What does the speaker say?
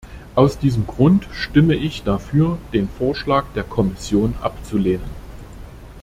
Aus diesem Grund stimme ich dafür, den Vorschlag der Kommission abzulehnen.